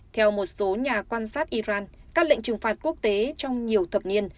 theo một số nhà quan sát iran các lệnh trừng phạt quốc tế trong nhiều thập niên